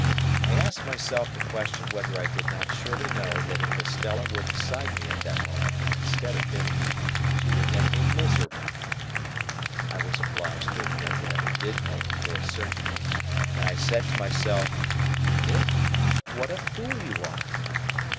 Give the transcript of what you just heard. I asked myself the question whether I did not surely know that if Estella were beside me at that moment instead of Biddy, she would make me miserable? I was obliged to admit that I did know it for a certainty, and I said to myself, "Pip, what a fool you are!"